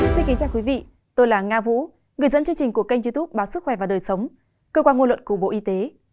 xin kính chào quý vị tôi là nga vũ người dẫn chương trình của kênh youtube báo sức khỏe và đời sống cơ quan ngôn luận của bộ y tế